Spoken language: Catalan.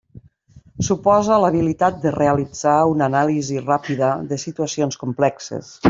Suposa l'habilitat de realitzar una anàlisi ràpida de situacions complexes.